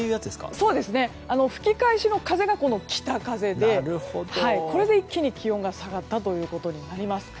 吹き返しの風が北風でこれで一気に気温が下がったということになります。